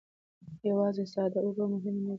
یوازې ساده اوبه مهمې نه دي.